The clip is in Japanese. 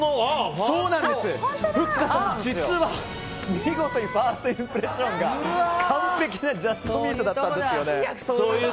ふっかさん、実は見事にファーストインプレッションが完璧なジャストミートだったんですよね。